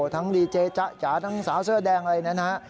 ทั้งริเจจ๊ะจ๋าทั้งสาวเสื้อแดงอะไรอย่างนั้นฮะ